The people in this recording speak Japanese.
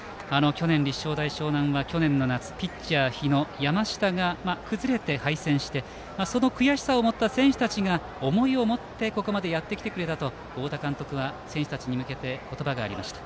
立正大淞南は去年の夏ピッチャー日野、山下が崩れて敗戦してその悔しさを持った選手たちが思いを持ってここまでやってきてくれたと太田監督は選手たちに向けて言葉がありました。